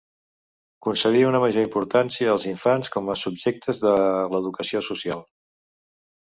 Concedí una major importància als infants com a subjectes de l'educació social.